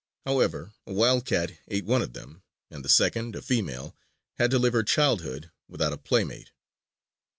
However, a wildcat ate one of them; and the second, a female, had to live her childhood without a playmate.